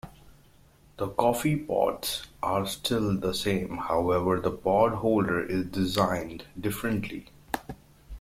The coffee pods are still the same, however the pod holder is designed differently.